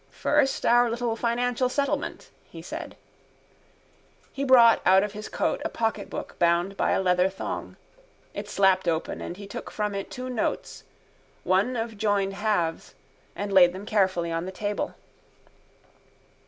—First, our little financial settlement, he said. He brought out of his coat a pocketbook bound by a leather thong. It slapped open and he took from it two notes, one of joined halves, and laid them carefully on the table.